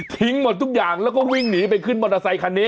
หมดทุกอย่างแล้วก็วิ่งหนีไปขึ้นมอเตอร์ไซคันนี้